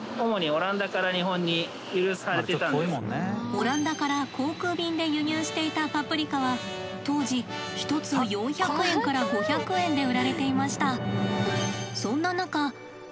オランダから航空便で輸入していたパプリカは当時１つ４００円から５００円で売られていました。